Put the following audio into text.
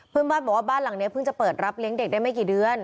เพื่อนบ้านบอกว่าบ้านหลังนี้เพิ่งจะเปิดรับเลี้ยงเด็กได้ไม่กี่เดือน